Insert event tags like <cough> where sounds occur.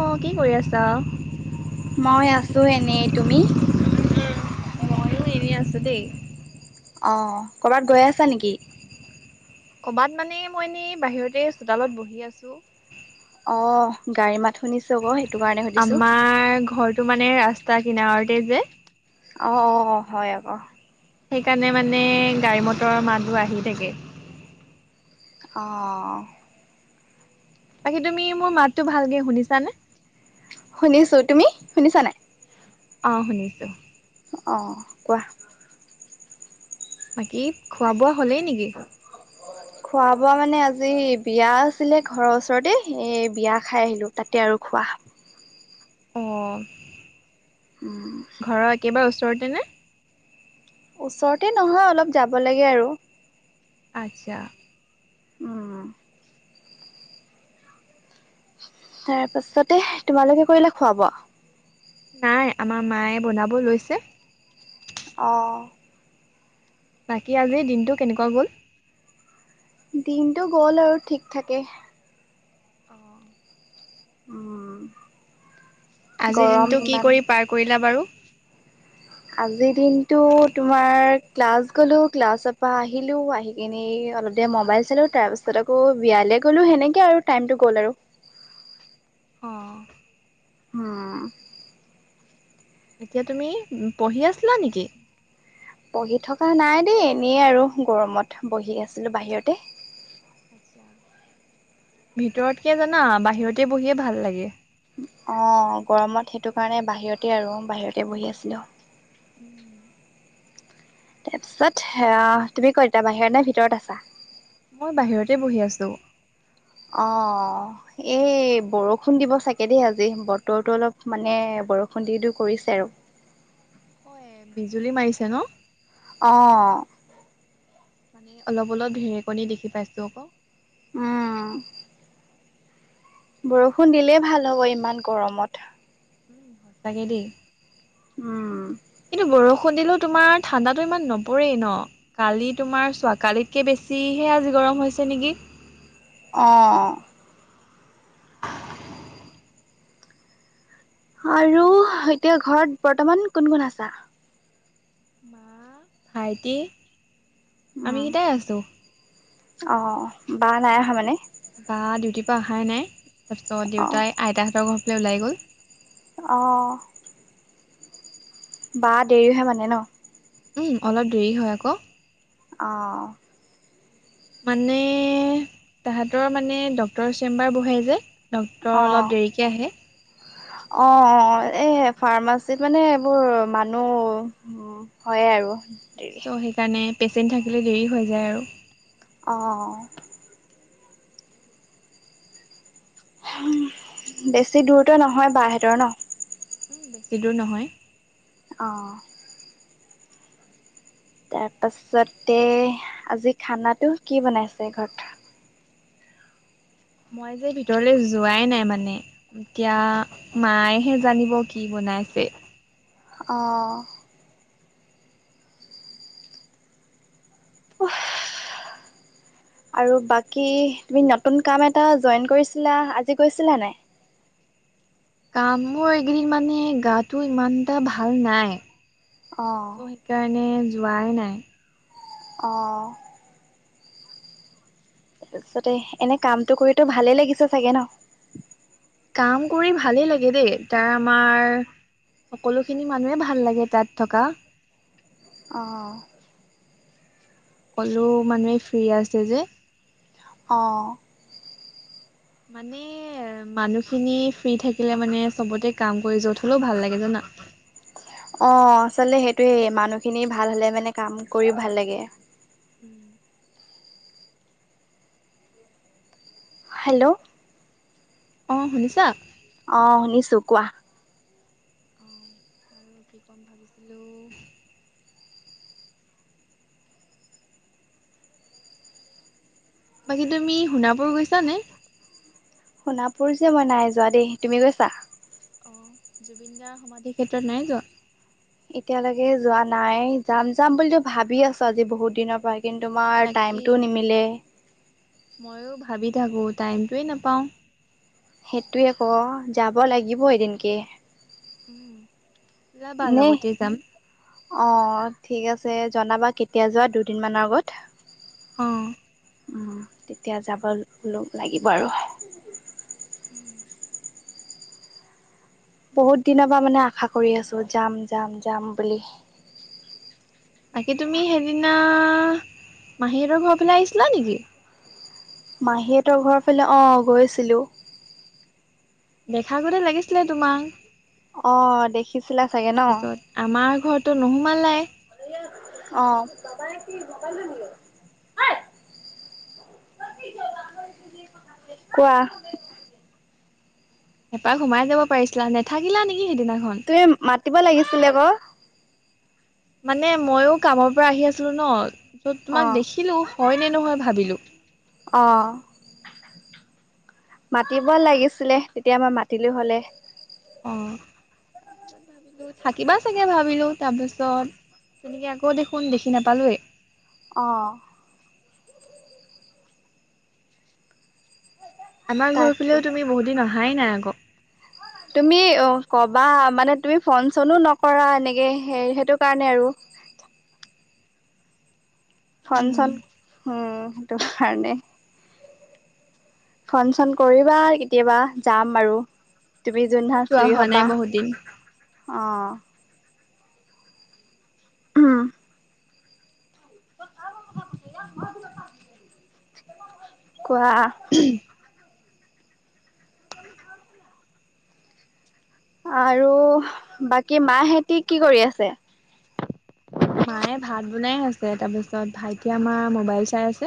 অ, কি কৰি আছা? মই আছোঁ এনেই তুমি? ময়ো এনেই আছোঁ দেই। অ, ক'ৰবাত গৈ আছা নেকি? ক'ৰবাত মানে মই এনেই বাহিৰতে চোতালত বহি আছোঁ। অ, গাড়ী মাত শুনিছোঁ আকৌ কাৰণে সুধিছোঁ। আমাৰ ঘৰটো মানে ৰাস্তা কিনাৰতে যে, অ, হয় আকৌ। সেইকাৰণে মানে গাড়ী মটৰৰ মাহহ আহি থাকে। অ, বাকী তুমি মোৰ মাতো ভালকে শুনিছাানে? শুনিছোঁ তুমি শুনিছা নাই? অ শুনিছো। অ কোৱা। বাকী খোৱা-বোৱা হ'লেই নিকি? খোৱা-বোৱা মানে আজি বিয়া আছিলে ঘৰৰ ওচৰতে এই বিয়া খাই আহিলো তাতে আৰু খোৱা। অ। <unintelligible> ঘৰৰ একেবাৰে ওচৰতে নে? ওচৰতে নহয় অলপ যাব লাগে আৰু। আচ্ছা। উম। তাৰ পাছতে তোমালোকে কৰিলা খোৱা-বোৱা? নাই আমাৰ মায়ে বনাব লৈছে। অ। বাকী আজিৰ দিনটো কেনেকুৱা গ'ল? দিনটো গ'ল আৰু ঠিক থাকে। <unintelligible> উম, আজিৰ গৰম দিনটো কি ইমান। কৰি পাৰ কৰিলা বাৰু? আজিৰ দিনটো তোমাৰ ক্লাছ গ'লো ক্লাছৰ পৰা আহিলো আহি এনেই অলপ দেৰি ম'বাইল চালো তাৰপিছত আকৌ বিয়ালে গ'লো সেনেকে আৰু টাইমটো গ'ল আৰু। অ। উম। এতিয়া তুমি পঢ়ি আছিলা নি? পঢ়ি থকা নাই দেই এনেই আৰু গৰমত বঢ়ি আছিলো বাহিৰতে। ভিতৰতকে জানা বাহিৰতে বঢ়িয়ে ভাল লাগে। অ গৰমত সেইটো কাৰণে বাহিৰতে আৰু বাহিৰতে বঢ়ি আছিলো। উম। তাৰপিছত তুমি ক'ত এতিয়া বাহিৰত নে ভিতৰত আছা? মইয়ো বাহিৰতে বঢ়ি আছো। অ। এই বৰষুণ দিব চাগে দেই আজি বতৰটো অলপ মানে বৰষুণ দিও দিও কৰিছে আৰু। হয় বিজুলী মাৰিছে ন? অ। মানে অলপ অলপ ধেৰেকণী দেখি পাইছো আকৌ। উম। বৰষুণ দিলেই ভাল হ'ব ইমান গৰমত। তাকে দেই। উম। কিন্তু বৰষুণ দিলেও তোমাৰ ঠাণ্ডাটো ইমান নপৰেই ন। কালি তোমাৰ চোৱা কালিতকে বেছিহে আজি গৰম হৈছে নিকি। অ। আৰু এতিয়া ঘৰত বৰ্তমান কোন কোন আছা? মা, ভাইটি। আমি উম কেইটাই আছো অ বা নাই অহা মানে? বা ডিউটিৰ পৰা অহাই নাই তাৰপিছত অ', দেউতাই আইতাহঁতৰ ঘৰফালে ওলাই গ'ল। অ। বা দেৰি হয় মানে ন? উম অলপ দেৰি হয় আকৌ। অ। মানে তাহাঁতৰ মানে ডক্তৰ চেম্বাৰ বঢ়ে যে। ডক্তৰ অলপ অ', দেৰিকে আহে। অ', এ ফাৰ্মাচীত মানে এইবোৰ মানুহ উম, হয় আৰু। দেৰি। চ' সেইকাৰণে পেচেণ্ট থাকিলে দেৰি হৈ যায় আৰু। অ', বেছি দূৰতো নহয় বাহঁতৰ ন? বেছি দূৰ নহয়। অ', তাৰপাছতে আজি খানাটো কি বনাইছে ঘৰত? মই যে ভিতৰলৈ যোৱাই নাই মানে এতিয়া মায়েহে জানিব কি বনাইছে। অ', <inaudible> আৰু বাকী তুমি নতুন কাম এটা জইন কৰিছিলা আজি গৈছিলা নাই? কাম মোৰ এইকেইদিন মানে গাটো ইমান এটা ভাল নাই চ' অঁ সেইকাৰণে যোৱাই নাই। অ', তাৰপিছতে এনে কামটো কৰিতো ভালে লাগিছে চাগে ন? কাম কৰি ভালেই লাগে দেই তাৰ আমাৰ সকলোখিনি মানুহে ভাল লাগে তাত থকা। অ', সকলো মানুহে ফ্ৰী আছে যে। অ', মানে মানুহখিনি ফ্ৰী থাকিলে মানে চবতে কাম কৰি যত হলেও ভাল লাগে জানা। অ', আচলতে সেইটোয়েই মানুহখিনি ভাল হলে মানে কাম কৰি ভাল লাগে। উম, হেল্ল' অ', শুনিছা? অ', শুনিছো কোৱা? অ', আৰু কি ক'ম ভাবিছিলোঁ বাকী তুমি সোণাপুৰ গৈছানে? সোণাপুৰ যে মই নাই যোৱা দেই তুমি গৈছা? অ', জুবিন দাৰ সমাধি ক্ষেত্ৰত নাই যোৱা? এতিয়ালৈকে যোৱা নাই যাম যাম বুলিতো ভাবি আছো আজি বহুত দিনৰ পৰাই। কিন্তু তোমাৰ তাকেই টাইমটো নিমিলে। ময়ো ভাবি থাকোঁ টাইমটোৱে নাপাওঁ। সেইটোৱে কওঁ যাব লাগিব এদিনকে। উম, ওলাবা লগতে যাম। অ', ঠিক আছে জনাবা কেতিয়া যোৱা দুদিন মানৰ আগত। অ', উম, তেতিয়া যাব লাগিব আৰু। উম, বহুত দিনৰ পৰা মানে আশা কৰি আছোঁ যাম - যাম - যাম বুলি। বাকি তুমি সেইদিনা মাহী হঁতৰ ঘৰ ফালে আহিছিলা নেকি? মাহী হঁতৰ ঘৰ ফালে অ', গৈছিলোঁ। দেখা গতে লাগিছিলে তোমাক। অ', দেখিছিলা চাগে ন? তাৰপিছত আমাৰ ঘৰতটো নোসোমালাই। অ', কোৱা এপাক সোমাই যাব পাৰিছিলা, নেথাকিলা নেকি সেইদিনাখন? তে মাতিব লাগিছিল আকৌ। মানে মইয়ো কামৰ পৰা আহি আছিলোঁ ন'। ত' তোমাক অঁ দেখিলোঁ হয় নে নহয় ভাবিলোঁ। অহ। মাতিব লাগিছিলে তেতিয়া মই মাতিলো হ'লে। অহ। ভাবিলোঁ থাকিবা চাগে ভাবিলোঁ তাৰপিছত তেনেকৈ আকৌ দেখি নাপালোৱেই। অহ। আমাৰ ঘৰ তাকে ফালেও তুমি বুহুদিন অহাই নাই আকৌ। তুমি ক'বা মানে তুমি ফোন-চনো নকৰা এনেকে সেই সেইটো কাৰণে আৰু। ফোন-চোন উম, সেইটো কাৰণে। ফোন-চোন কৰিবা কেতিয়াবা যাম আৰু তুমি ময়ো যোনদিনা যোৱা ফ্ৰী হোৱা নাই হ'বা। বহুত দিন অহ। <unintelligible> কোৱা? উম। <unintelligible> আৰু বাকী মাহেঁতে কি কৰি আছে? মায়ে ভাত বনাই আছে, তাৰপিছত ভাইটি আমাৰ মোবাইল চাই আছে।